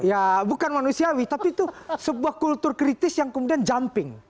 ya bukan manusiawi tapi itu sebuah kultur kritis yang kemudian jumping